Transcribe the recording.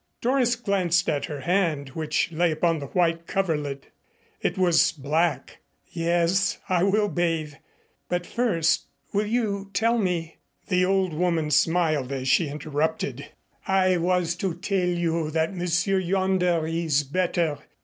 Doris glanced at her hand, which lay upon the white coverlid. It was black. "Yes, I will bathe. But first will you tell me ?" The old woman smiled as she interrupted, "I was to tell you that Monsieur yonder is better.